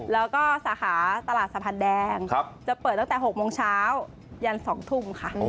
แล้วก็สาขาตลาดสะพานแดงจะเปิดตั้งแต่๖โมงเช้ายัน๒ทุ่มค่ะ